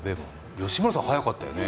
吉村さん早かったよね。